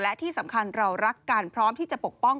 และที่สำคัญเรารักกันพร้อมที่จะปกป้อง